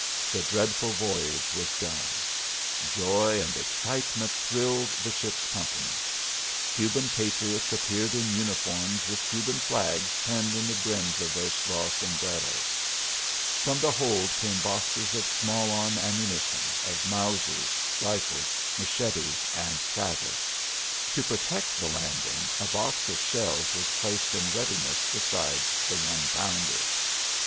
The dreadful voyage was done. Joy and excitement thrilled the ship's company. Cuban patriots appeared in uniforms with Cuban flags pinned in the brims of their straw sombreros. From the hold came boxes of small arm ammunition, of Mausers, rifles, machetes, and saddles. To protect the landing a box of shells was placed in readiness beside the one pounder.